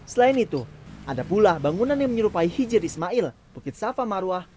selain itu ada pula bangunan yang menyerupai hijir ismail bukit safa maruah